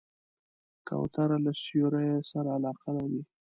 کوتره له سیوریو سره علاقه لري.